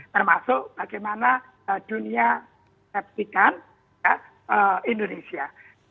termasuk bagaimana dunia septikan indonesia